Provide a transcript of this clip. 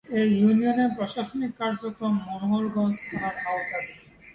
এ ইউনিয়নের প্রশাসনিক কার্যক্রম মনোহরগঞ্জ থানার আওতাধীন।